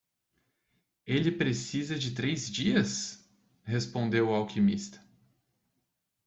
"Ele precisa de três dias?" respondeu o alquimista.